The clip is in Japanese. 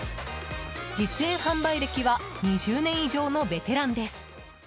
実演販売歴は２０年以上のベテランです。